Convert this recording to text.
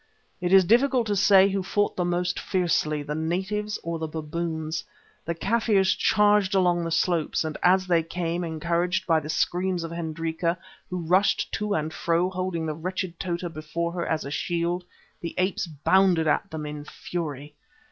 It is difficult to say who fought the most fiercely, the natives or the baboons. The Kaffirs charged along the slopes, and as they came, encouraged by the screams of Hendrika, who rushed to and fro holding the wretched Tota before her as a shield, the apes bounded at them in fury.